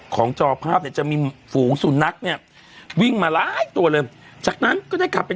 จอภาพเนี่ยจะมีฝูงสุนัขเนี่ยวิ่งมาหลายตัวเลยจากนั้นก็ได้ขับไป